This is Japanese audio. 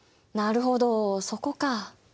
なるほどそこか。